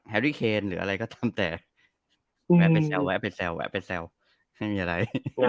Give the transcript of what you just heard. หารีเคนหรืออะไรก็ตั้งแต่ประโยชน์ไปแซวแวะไปแซวไม่มีอะไร